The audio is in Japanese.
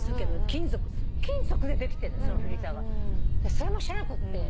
それも知らなくって。